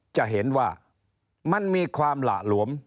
จะเห็นว่ามันมีความหละหลวม